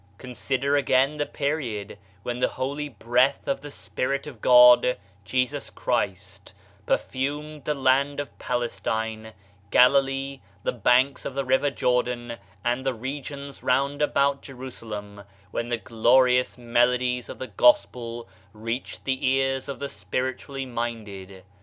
Consider again the period when the holy breath of the Spirit of God (Jesus Christ) per fumed the land of Palestine, Galilee, the banks of the river of Jordan, and the regions round about Jerusalem when the glorious melodies of the Gos pel reached the ears of the spiritually minded.